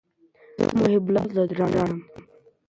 فارابي وويل چي د هوا ډول ډول والی د اخلاقو د تنوع سبب دی.